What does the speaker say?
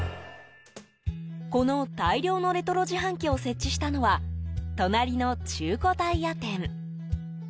この大量のレトロ自販機を設置したのは隣の中古タイヤ店。